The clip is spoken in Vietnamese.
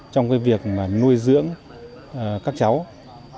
trong cái việc nuôi dưỡng các chiến sĩ